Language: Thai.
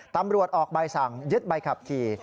ตำรวจออกใบสั่งยึดใบขับขี่